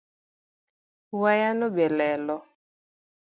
Wayano be lelo